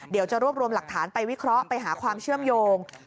เดี๋ยวจะรวบรวมหลักฐานไปวิเคราะห์ไปหาความเชื่อมโยง